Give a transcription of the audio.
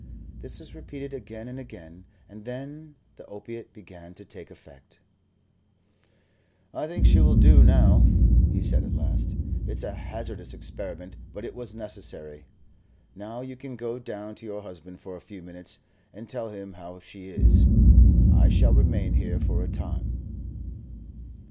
This was repeated again and again, and then the opiate began to take effect. "I think she will do now," he said, at last; "it's a hazardous experiment, but it was necessary. Now you can go down to your husband for a few minutes, and tell him how she is. I shall remain here for a time."